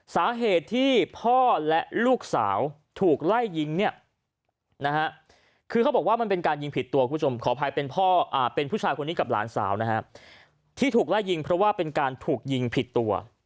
สาเหตุที่พ่อและลูกสาวถูกไล่ยิงเนี่ยนะฮะคือเขาบอกว่ามันเป็นการยิงผิดตัวคุณผู้ชมขออภัยเป็นพ่อเป็นผู้ชายคนนี้กับหลานสาวนะฮะที่ถูกไล่ยิงเพราะว่าเป็นการถูกยิงผิดตัว